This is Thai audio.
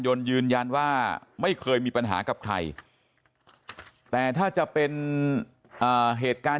ยนต์ยืนยันว่าไม่เคยมีปัญหากับใครแต่ถ้าจะเป็นเหตุการณ์